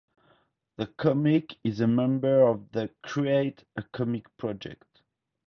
The comic is a member of the "Create a Comic Project".